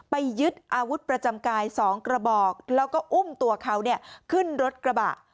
ยึดอาวุธประจำกาย๒กระบอกแล้วก็อุ้มตัวเขาขึ้นรถกระบะ